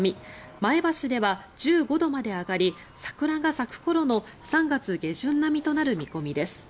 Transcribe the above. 前橋では１５度まで上がり桜が咲く頃の３月下旬並みとなる見込みです。